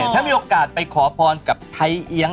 ถ้ามีโอกาสไปขอพรกับไทยเอี๊ยง